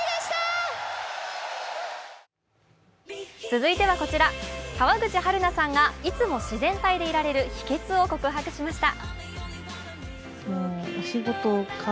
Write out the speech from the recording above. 続いてはこちら、川口春奈さんがいつも自然体でいられる秘けつを告白しました。